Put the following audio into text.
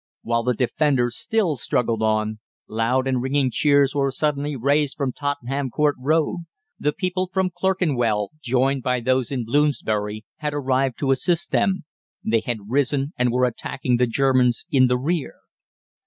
"While the Defenders still struggled on, loud and ringing cheers were suddenly raised from Tottenham Court Road. The people from Clerkenwell, joined by those in Bloomsbury, had arrived to assist them. They had risen, and were attacking the Germans in the rear.